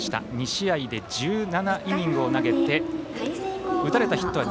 ２試合で１７イニングを投げて打たれたヒットは１５